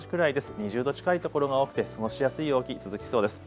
２０度近いところが多くて過ごしやすい陽気、続きそうです。